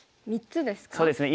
３つですね。